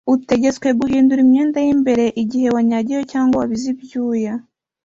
utegetswe guhindura imyenda y’imbere igihe wanyagiwe cyangwa wabize ibyuya